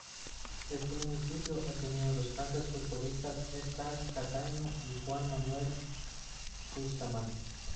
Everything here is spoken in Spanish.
Este municipio ha tenido los grandes futbolistas Édgar Cataño y Juan Manuel Bustamante.